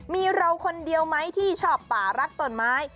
มีเราคนเดียวไหมที่ชอบป่ารักต้นไม้